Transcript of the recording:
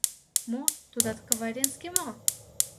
Мо, тудат каваренский мо?